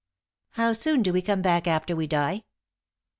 "How soon do we come back after we die?"